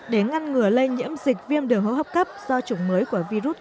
để ngăn ngừa lây nhiễm dịch viêm đường hô hấp cấp do chủng mới của virus corona